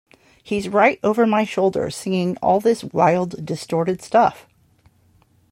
He's right over my shoulder singing all this wild, distorted stuff!